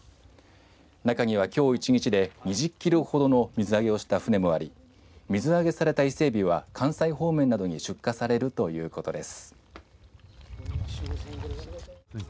中にはきょう１日で２０キロほどの水揚げをした船もあり水揚げされたイセエビは関西方面などに出荷されるということです。